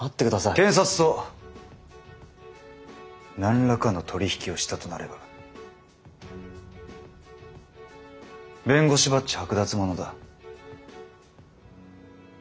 検察と何らかの取り引きをしたとなれば弁護士バッチ剥奪ものだ。